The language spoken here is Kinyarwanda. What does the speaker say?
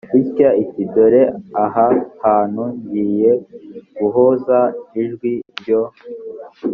itya iti dore aha hantu ngiye guhoza ijwi ryo